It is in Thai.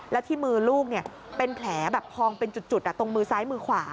และที่มือลูกเป็นแผลแบบพองเป็นจุดตรงมือซ้ายมือขวา